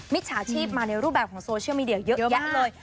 จฉาชีพมาในรูปแบบของโซเชียลมีเดียเยอะแยะเลย